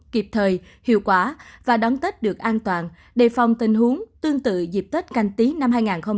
kịp thời hiệu quả và đón tết được an toàn đề phòng tình huống tương tự dịp tết canh tí năm hai nghìn hai mươi